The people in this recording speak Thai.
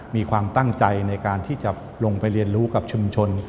มีความตั้งใจในการที่จะลงไปเรียนรู้กับชุมชน